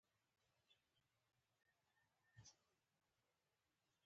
ما تیره میاشت واده اوکړ